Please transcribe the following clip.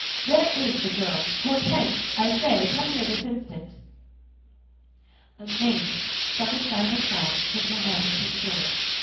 "Where is the girl? Hortense, I say, come here this instant!" A maid, summoned by her cries, put her head in the door.